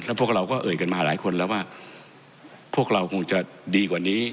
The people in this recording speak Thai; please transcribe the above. พวกเราก็เอ่ยกันมาหลายคนแล้วว่าพวกเราคงจะดีกว่านี้